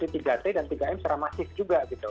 tiga t dan tiga m secara masif juga gitu